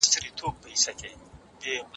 ډیپلوماټان کله د ډیپلوماسۍ اصول کاروي؟